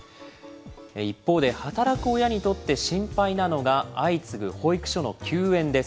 一方で、働く親にとって心配なのが、相次ぐ保育所の休園です。